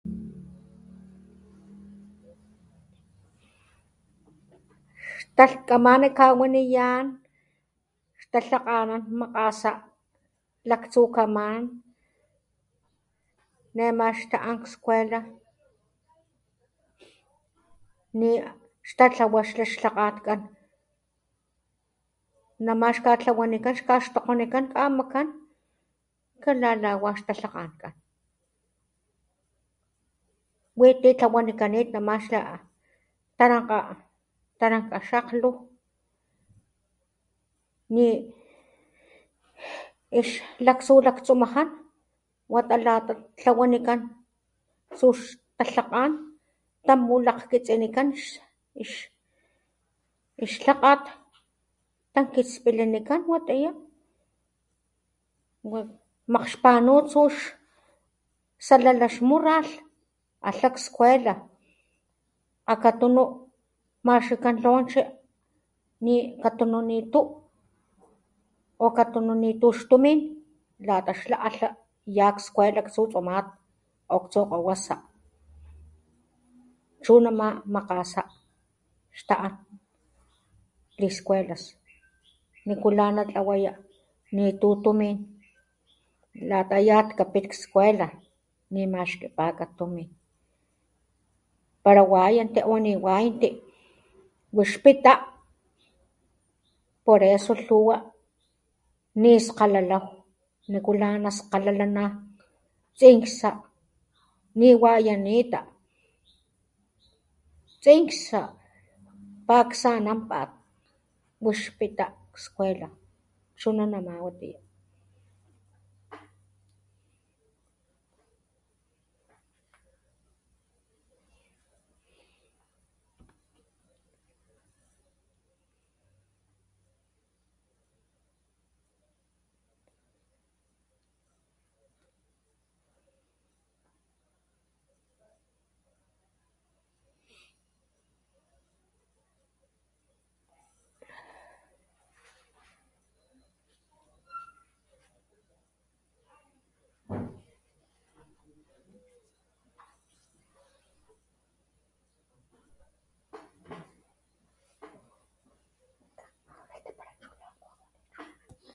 Xtalhkamani kawaniyan xtalhakganan makgasa laktsukaman nema xta'an skuela ni a xtatlawa xla xlhakgatkan nama xkatlawanikan xkaxtokgonikan kamakan kalalawa xtalhakgankan witi tlawanikanit nama xla tarankga, tarankga xakgluj ni ix Laktsu, laktsu lakstumajan wata lata tlawanikan tsuj xtalhakgan tanpulaj kitsinikan ix lhakgat tankitspilinikan watiya wa makgxpanu tsux salala xmorralh alha skuela akatunu maxkikan lonche ni katunu nitu o katunu nitu xtumin lata xla alha ya' skuela tsutsumat o ktsu kgawasa chu nama makgasa xta'an liskuelas nikula natlawaya nitu tumin lata yat kapit skuela ni maxkipaka tumin pala wayanti o niwayanti wix pita por eso lhuwa niskgalaw nikula naskgalalana tsinksa, niwayanita, tsinksa paksananpat, wix pita nak skuela chuna nama. Watiya.